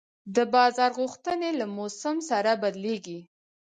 د بازار غوښتنې له موسم سره بدلېږي.